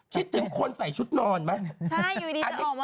คิดถึงคนใส่ชุดนอนไหม